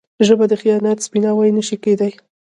ژبه د خیانت سپیناوی نه شي کېدای.